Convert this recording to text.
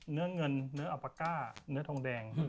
เนื้อเงินเนื้ออัปากก้าเนื้อทองแดง